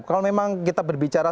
kalau memang kita berbicara